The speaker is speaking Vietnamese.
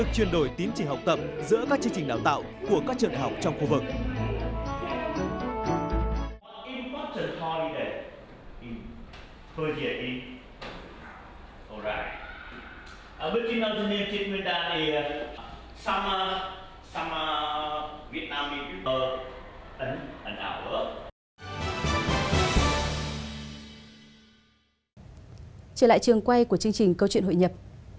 trên lại trường quay của chương trình câu chuyện hội nhập